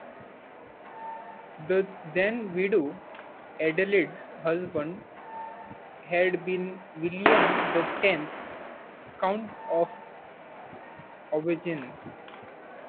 The then-widow Adelaide's husband had been William the Tenth, Count of Auvergne.